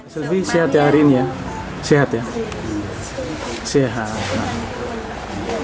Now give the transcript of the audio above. sylvi sehat ya hari ini ya sehat ya sehat